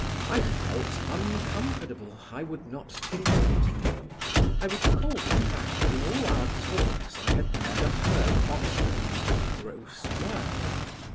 I felt uncomfortable. I would not think of it. I recalled the fact that in all our talks I had never heard Oscar use a gross word.